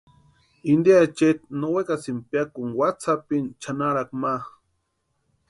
Inte achaeti no wekasïnti piakuni watsí sapini chʼanarakwa ma.